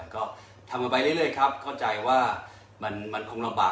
ก็ทำกันไปเรื่อยครับเข้าใจว่ามันคงลำบาก